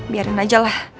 biarin aja lah